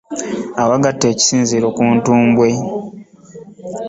Awagatta ekisinziiro ku ntumbwe.